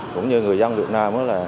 cũng như người dân việt nam